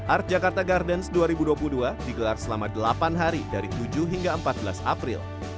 art jakarta gardens dua ribu dua puluh dua digelar selama delapan hari dari tujuh hingga empat belas april